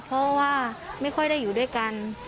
เพราะว่าไม่ค่อยได้อยู่ด้วยกัน